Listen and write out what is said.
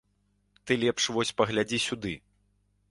Ты лепш вось паглядзі сюды!